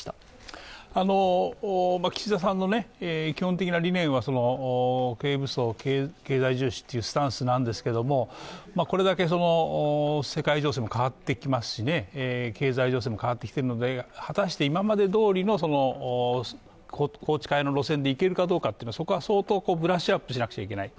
岸田さんの基本的な理念は経済重視というスタンスなんですけれども、これだけ世界情勢も変わってきますし、経済情勢も変わってきているので果たして今までどおりの宏池会の路線でいけるかどうかというのはそこは相当ブラッシュアップしなくちゃいけない。